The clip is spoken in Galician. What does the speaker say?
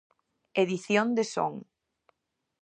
Edición de son.